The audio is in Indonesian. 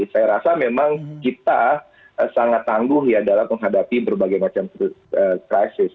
saya rasa memang kita sangat tangguh ya dalam menghadapi berbagai macam krisis